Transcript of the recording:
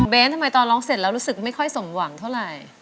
เน้นทำไมตอนร้องเสร็จแล้วรู้สึกไม่ค่อยสมหวังเท่าไหร่